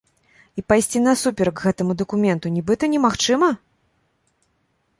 І пайсці насуперак гэтаму дакументу нібыта немагчыма?